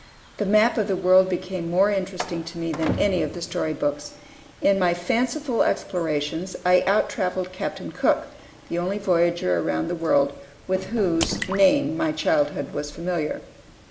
The map of the world became more interesting to me than any of the story books. In my fanciful explorations I out traveled Captain Cook, the only voyager around the world with whose name my childhood was familiar.